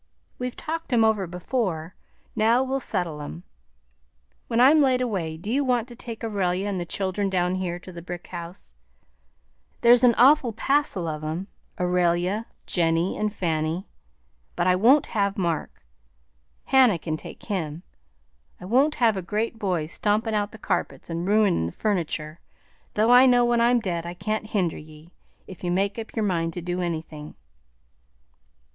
We've talked 'em over before; now we'll settle 'em. When I'm laid away, do you want to take Aurelia and the children down here to the brick house? There's an awful passel of 'em, Aurelia, Jenny, and Fanny; but I won't have Mark. Hannah can take him; I won't have a great boy stompin' out the carpets and ruinin' the furniture, though I know when I'm dead I can't hinder ye, if you make up your mind to do anything."